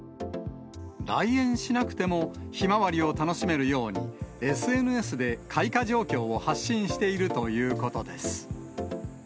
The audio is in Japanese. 来園しなくても、ひまわりを楽しめるように、ＳＮＳで開花状況を発信しているということです。